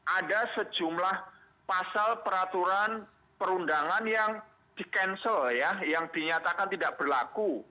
ada sejumlah pasal peraturan perundangan yang di cancel ya yang dinyatakan tidak berlaku